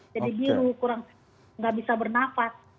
jadi biru kurang nggak bisa bernafas